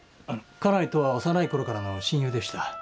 家内とは幼いころからの親友でした。